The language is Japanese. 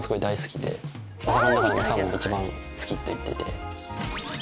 お魚の中でサーモンが一番好きって言っていて。